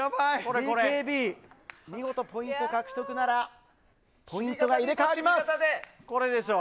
ＢＫＢ、見事ポイント獲得ならポイントが入れ替わります。